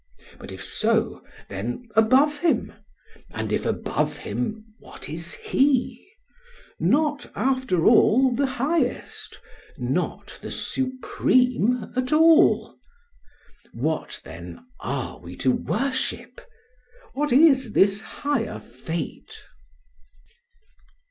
But if so, then above him! and if above him, what is he? Not, after all, the highest, not the supreme at all! What then are we to worship? What is this higher "fate?"